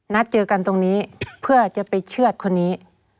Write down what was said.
นัดเจอกันตรงนี้เพื่อจะไปเชื่อดคนนี้